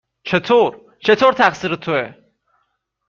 چطور؟ چطور تقصیر توئه؟